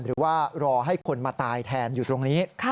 หรือว่ารอให้คนมาตายแทนอยู่ตรงนี้